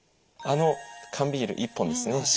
あの缶ビール１本ですね。